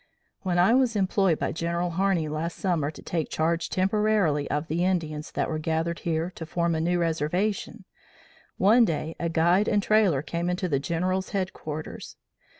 When I was employed by General Harney last summer to take charge temporarily of the Indians that were gathered here to form a new reservation, one day a guide and trailer came into the General's headquarters.